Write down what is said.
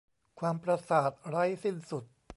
ความประสาทไร้สิ้นสุด